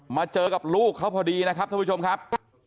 เจอกับลูกเขาพอดีนะครับท่านผู้ชมครับ